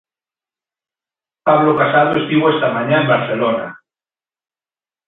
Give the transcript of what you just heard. Pablo Casado estivo esta mañá en Barcelona.